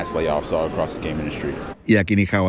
ketika di mana mana orang orang di atas harga yang sama